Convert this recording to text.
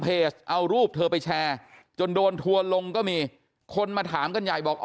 เอารูปเธอไปแชร์จนโดนทัวร์ลงก็มีคนมาถามกันใหญ่บอก